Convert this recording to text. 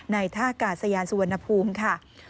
ในถ้ากาศสวนภูมิ